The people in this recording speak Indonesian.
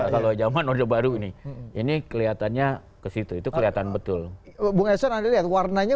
kalau zaman orde baru ini ini kelihatannya ke situ itu kelihatan betul bung eson anda lihat warnanya